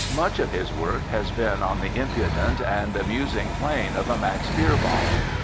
Much of his work has been on the impudent and amusing plane of a Max Beerbohm.